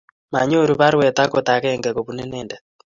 Manyoru baruet agot agenge kobun inendet